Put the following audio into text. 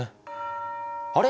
あれ？